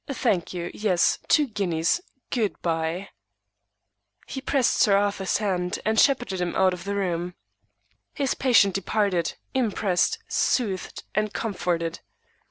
Thank you, yes, two guineas. Good bye." He pressed Sir Arthur's hand, and shepherded him out of the room. His patient departed, impressed, soothed and comforted.